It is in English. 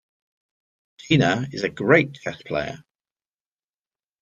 Gina is a great chess player.